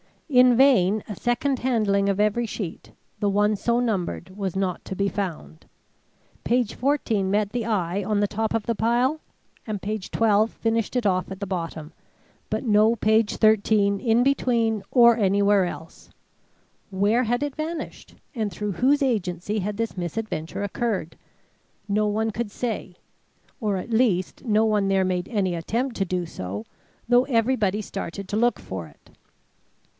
In vain a second handling of every sheet, the one so numbered was not to be found. Page 14 met the eye on the top of the pile, and page 12 finished it off at the bottom, but no page 13 in between, or anywhere else. Where had it vanished, and through whose agency had this misadventure occurred? No one could say, or, at least, no one there made any attempt to do so, though everybody started to look for it.